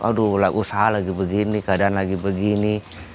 aduh usaha lagi begini keadaan lagi begini